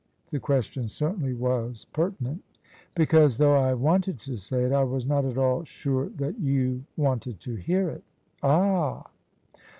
The question certainly was pertinent " Because, though I wanted to say it, I was not at all sure that you wanted to hear it." " Ah?